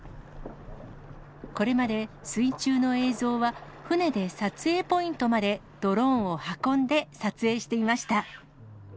これまで水中の映像は、船で撮影ポイントまでドローンを運んで撮影していました。